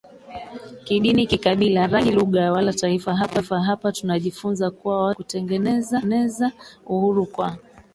kidini kikabila rangi lugha wala Taifa Hapa tunajifunza kuwa watu wenye kutengeneza Uhuru kwa